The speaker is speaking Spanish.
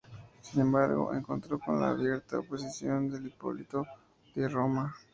Sin embargo, se encontró con la abierta oposición de Hipólito de Roma.